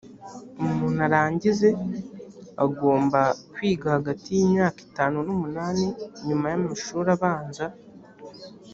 umuntu arangize agomba kwiga hagati y imyaka itanu n umunani nyuma y amashuri abanza